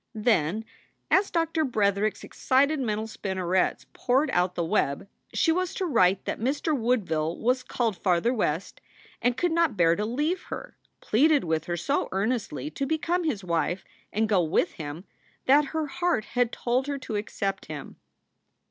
Then, as Doctor Bretherick s excited mental spinnerets poured out the web, she was to write that Mr. Woodville was called farther West and could not bear to leave her, pleaded with her so earnestly to become his wife and go with him, that her heart had told her to accept him.